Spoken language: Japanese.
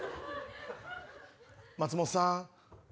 松本さん。